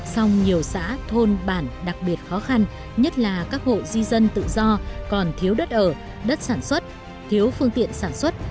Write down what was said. song nhiều xã thôn bản đặc biệt khó khăn nhất là các hộ di dân tự do còn thiếu đất ở đất sản xuất thiếu phương tiện sản xuất